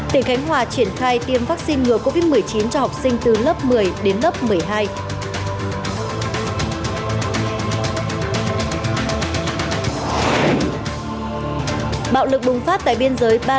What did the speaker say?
tỉnh khánh hòa triển khai tiêm vaccine ngừa covid một mươi chín cho học sinh từ lớp một mươi đến lớp một mươi hai